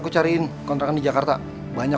jadi kamu udah punya anak